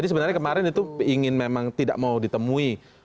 jadi sebenarnya kemarin itu ingin memang tidak mau ditemui